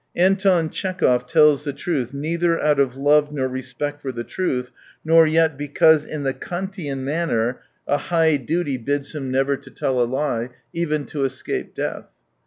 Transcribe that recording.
Anton Tche^ov tells the truth neither out of love or respect for the truth, nor yet because, in the Kantian manner, a high 50 duty bids him never to tell a lie, even to escape death.